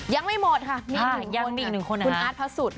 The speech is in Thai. ยังไม่หมดค่ะมีอีกหนึ่งคนนะคุณอาร์ตพระสุทธิ์